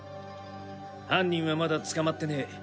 犯人はまだ捕まってねえ。